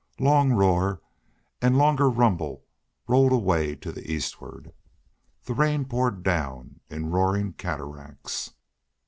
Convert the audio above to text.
Long roar and longer rumble rolled away to the eastward. The rain poured down in roaring cataracts.